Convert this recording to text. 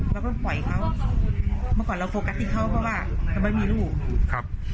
เราก็ต้องปล่อยเขามาก่อนเราฟูกัสติดเขาเพราะว่ามันไม่มีลูกครับ